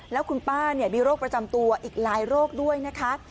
แล้วคุณป้ามีโรคประจำตัวอีกหลายโรคด้วยนะคะ